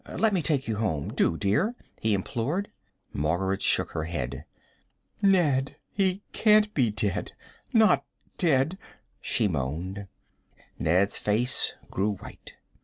Let me take you home, do, dear," he implored. Margaret shook her head. "Ned, he can't be dead not dead!" she moaned. Ned's face grew white.